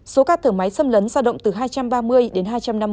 số ca thở máy xâm lấn giao động từ hai trăm ba mươi đến hai trăm năm mươi